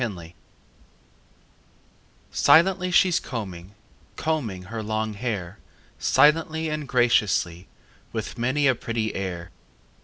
XXIV Silently she's combing, Combing her long hair Silently and graciously, With many a pretty air.